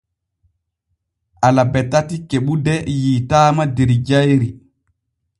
Alabe tati kebude yiitaama der jayri.